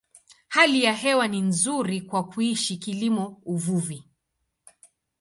Hali ya hewa ni nzuri kwa kuishi, kilimo, uvuvi.